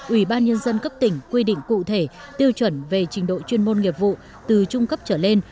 ủy ban nhân dân cấp tỉnh quy định cụ thể tiêu chuẩn về trình độ chuyên môn nghiệp vụ từ trung cấp trở lên